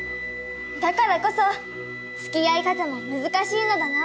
だからこそつきあい方も難しいのだな。